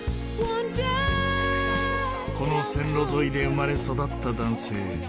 この線路沿いで生まれ育った男性。